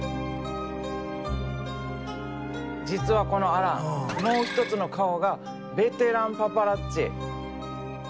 実はこのアランもう一つの顔がベテラン・パパラッチ。